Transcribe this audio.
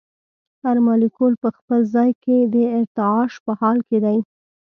هر مالیکول په خپل ځای کې د ارتعاش په حال کې دی.